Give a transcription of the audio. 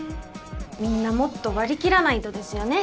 みんなもっと割り切らないとですよね。